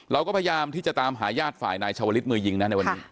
เราก็พยายามที่จะตามหาญาติฝ่ายนายชาวลิศมือยิงนะในวันนี้